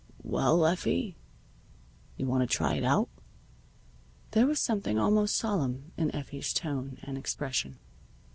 Well, Effie, you want to try it out?" There was something almost solemn in Effie's tone and expression.